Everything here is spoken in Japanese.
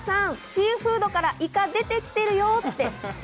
シーフードからイカ出てきてるよ！